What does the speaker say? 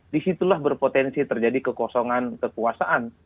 disitulah berpotensi terjadi kekosongan kekuasaan